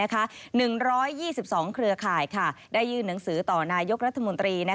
๑๒๒เครือข่ายได้ยื่นหนังสือต่อนายกรัฐมนตรี